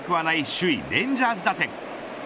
首位レンジャーズ打線。